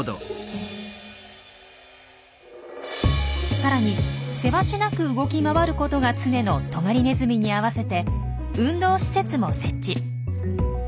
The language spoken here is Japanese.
さらにせわしなく動き回ることが常のトガリネズミに合わせて運動施設も設置。